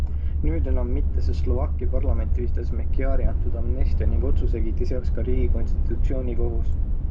Nüüd enam mitte, sest Slovakkia parlament tühistas Meciari antud amnestia ning otsuse kiitis heaks ka riigi konstitutsioonikohus.